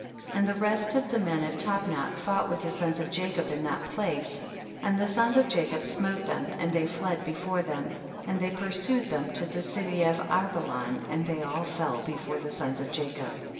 3. And the rest of the men of Tap nach fought with the sons of Jacob in that place, and the sons of Jacob smote them, and they fled before them, and they pursued them to the city of Arbelan, and they all fell be fore the sons of Jacob.